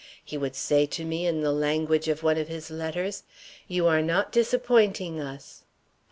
He would say to me, in the language of one of his letters: "You are not disappointing us."